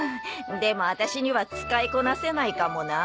でもワタシには使いこなせないかもな。